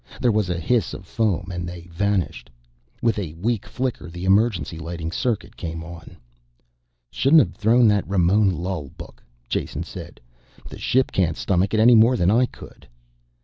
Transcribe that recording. There was a hiss of foam and they vanished. With a weak flicker the emergency lighting circuit came on. "Shouldn't have thrown the Ramon Lull book," Jason said. "The ship can't stomach it any more than I could."